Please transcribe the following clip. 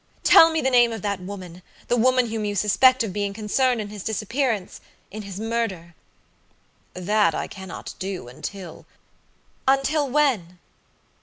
Tell me the name of that womanthe woman whom you suspect of being concerned in his disappearancein his murder." "That I cannot do until" "Until when?"